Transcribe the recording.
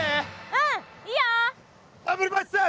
うんいいよ！